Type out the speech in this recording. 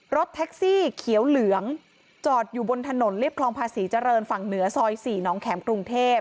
รถแท็กซี่เขียวเหลืองจอดอยู่บนถนนเรียบคลองภาษีเจริญฝั่งเหนือซอย๔น้องแข็มกรุงเทพ